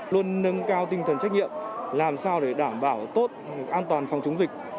luôn nâng cao tinh thần trách nhiệm làm sao để đảm bảo tốt an toàn phòng chống dịch